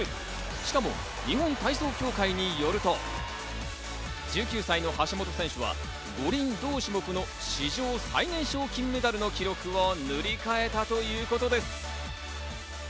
しかも日本体操協会によると１９歳の橋本選手は五輪同種目の史上最年少金メダルの記録を塗り替えたということです。